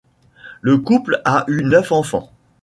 Le couple a eu neuf enfants.